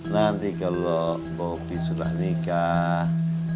nanti kalau bobi sudah nikah